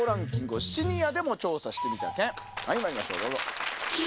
まいりましょうどうぞ。